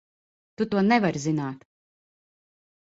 Tu to nevari zināt!